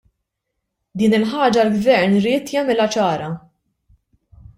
Din il-ħaġa l-Gvern ried jagħmilha ċara.